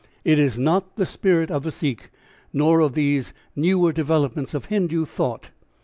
It is not the spirit of the Sikh nor of these newer developments of Hindu thought.